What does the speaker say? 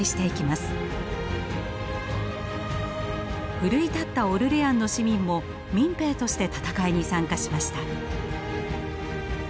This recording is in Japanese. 奮い立ったオルレアンの市民も民兵として戦いに参加しました。